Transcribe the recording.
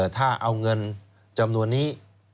ถ้าเอาเงินจำนวนนี้